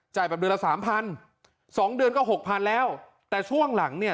แบบเดือนละสามพันสองเดือนก็หกพันแล้วแต่ช่วงหลังเนี่ย